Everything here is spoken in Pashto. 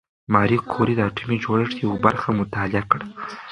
ماري کوري د اتومي جوړښت یوه برخه مطالعه کړه.